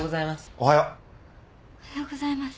おはようございます。